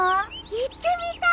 行ってみたい。